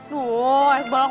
duh es balok